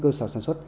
cơ sở sản xuất